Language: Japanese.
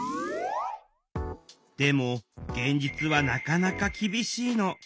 でも現実はなかなか厳しいの。